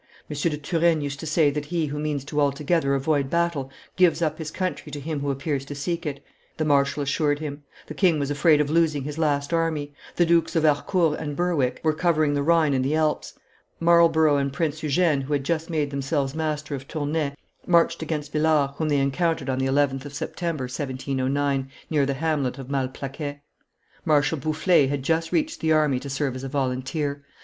"M. de Turenne used to say that he who means to altogether avoid battle gives up his country to him who appears to seek it," the marshal assured him; the king was afraid of losing his last army; the Dukes of Harcourt and Berwick were covering the Rhine and the Alps; Marlborough and Prince Eugene, who had just made themselves masters of Tournay, marched against Villars, whom they encountered on the 11th of September, 1709, near the hamlet of Malplaquet. Marshal Boufflers had just reached the army to serve as a volunteer.